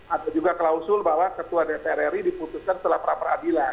ada juga klausul bahwa ketua dpr ri diputuskan setelah pra peradilan